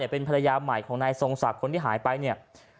เป็นภรรยาใหม่ของนายทรงศักดิ์คนที่หายไปเนี่ย